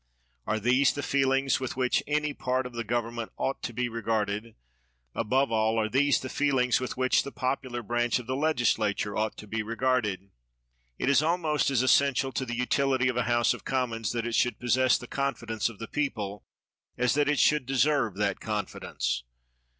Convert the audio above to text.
Are these the feel ings with which any part of the government ought to be regarded? Above all, are these the feelings with which the popular branch of the legislature ought to be regarded ? It is almost as essential to the utility of a House of Commons that it should possess the confidence of the people, as that it should de serve that confidence.